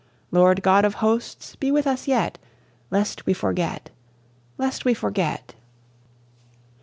Lord God of Hosts, be with us yet, Lest we forget lest we forget!